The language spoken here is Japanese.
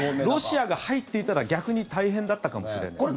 ロシアが入っていたら逆に大変だったかもしれない。